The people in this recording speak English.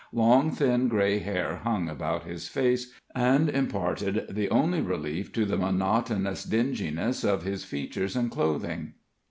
Long, thin gray hair hung about his face, and imparted the only relief to the monotonous dinginess of his features and clothing.